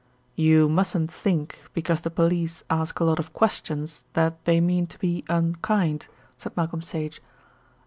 "You mustn't think because the police ask a lot of questions that they mean to be unkind," said Malcolm Sage.